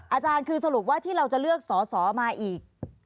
อาจารย์คือสรุปว่าที่เราจะเลือกสอสอมาอีก